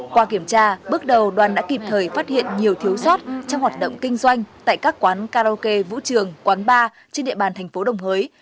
qua kiểm tra bước đầu đoàn đã kịp thời phát hiện nhiều thiếu sót trong hoạt động kinh doanh tại các quán karaoke vũ trường quán bar trên địa bàn thành phố đồng hới